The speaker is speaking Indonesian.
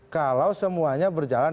kalau semuanya berjalan